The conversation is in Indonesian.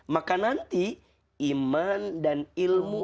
maka nanti iman dan ilmu